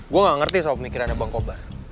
gua gak ngerti sama pemikirannya bang kobar